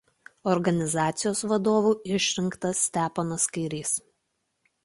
Organizacijos vadovu išrinktas Steponas Kairys.